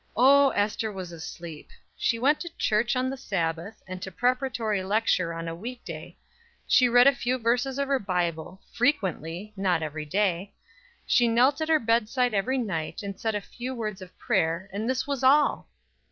O, Ester was asleep! She went to church on the Sabbath, and to preparatory lecture on a week day; she read a few verses in her Bible, frequently, not every day; she knelt at her bedside every night, and said a few words of prayer and this was all!